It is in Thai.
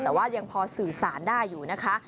แต่ว่ายังพอสื่อสารได้อยู่นะคะ